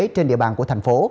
trên địa bàn của thành phố